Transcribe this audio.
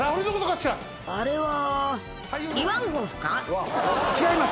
「あれは」